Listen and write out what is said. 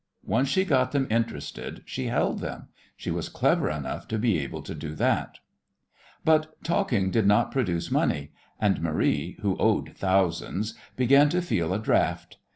Once she got them interested she held them. She was clever enough to be able to do that. But talking did not produce money, and Marie, who owed thousands, began to feel a draught.